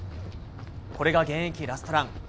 これが現役ラストラン。